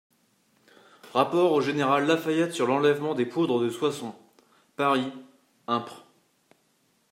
=Rapport au Général La Fayette sur l'enlèvement des poudres de Soissons.= Paris, Impr.